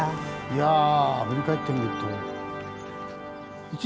いや振り返ってみると。